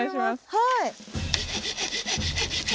はい。